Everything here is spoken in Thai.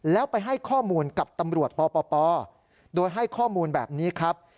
แล้วไปให้ข้อมูลกับตำรวจปปโดยให้ข้อมูลแบบนี้ครับ